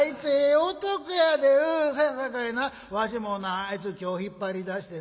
そやさかいなわしもなあいつ今日引っ張り出してな